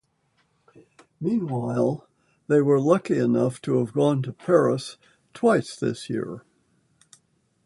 Meanwhile, they were lucky enough to have gone to Paris twice this year.